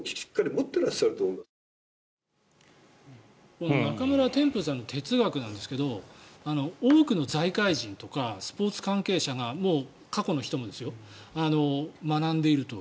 この中村天風さんの哲学なんですけど多くの財界人とかスポーツ関係者が過去の人もですよ学んでいると。